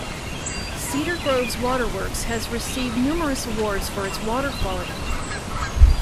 Cedar Groves waterworks has received numerous awards for its water quality.